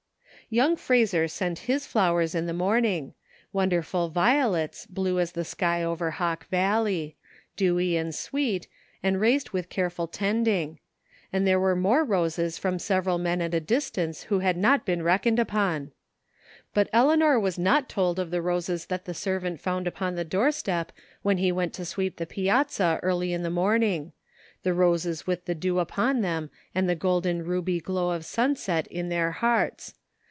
Young Frazer sent his flowers in the morning: wonderful violets, blue as the sky over Hawk Valley; dewy and sweet, and raised with careful tending; and there were more roses from several men at a distance 210 THE FINDING OF JASPER HOLT who had not been reckoned upon. But Eleanor was not told of the roses that the servant found upon the door step when he went to sweep the piazza early in the morn ing; the roses with the dew upon them and the golden ruby glow of sunset in their hearts.